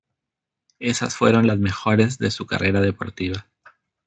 Esas fueron las mejores de su carrera deportiva.